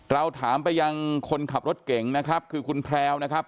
เราถามไปยังคนขับรถเก่งนะครับคือคุณแพรวนะครับ